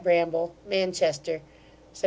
BRAMBLE MANCHESTER, Sept.